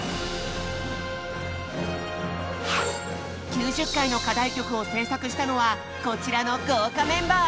９０回の課題曲を制作したのはこちらの豪華メンバー。